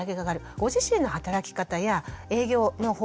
ご自身の働き方や営業の方法